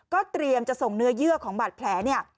ก็เตรียมจะส่งเนื้อเยื่อของบาดแพ้